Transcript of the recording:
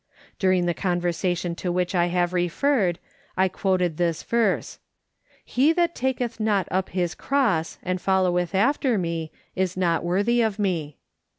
During the conversation to which I have referred, I quoted this verse :" He that taketh not up his cross, and foUoweth after me, is not worthy of me."